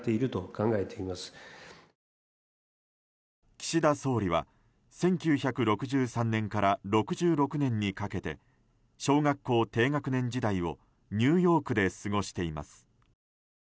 岸田総理は１９６３年から６６年にかけて小学校低学年時代をニューヨークで過ごしています。